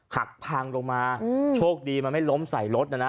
หักพังลงมาโชคดีมันไม่ล้มใส่รถนะนะ